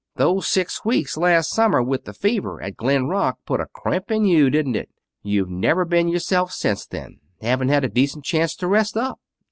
Those six weeks last summer with the fever at Glen Rock put a crimp in you, didn't it? You've never been yourself since then. Haven't had a decent chance to rest up."